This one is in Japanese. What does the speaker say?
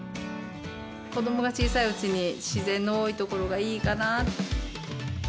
子どもが小さいうちに、自然の多い所がいいかなって。